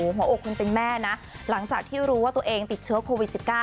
หัวอกคนเป็นแม่นะหลังจากที่รู้ว่าตัวเองติดเชื้อโควิด๑๙